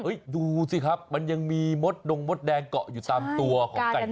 ดูสิครับมันยังมีมดดงมดแดงเกาะอยู่ตามตัวของไก่